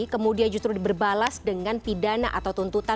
kemudian justru diberbalas dengan pidana atau tuntutan